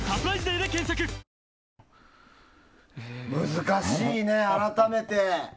難しいね、改めて。